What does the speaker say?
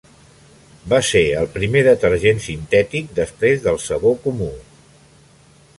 Va ser el primer detergent sintètic després del sabó comú.